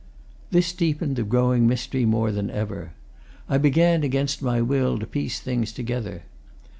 This deepened the growing mystery more than ever. I began, against my will, to piece things together.